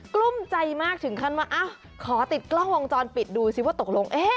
ลุ้มใจมากถึงขั้นว่าขอติดกล้องวงจรปิดดูซิว่าตกลง